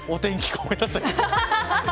ごめんなさい。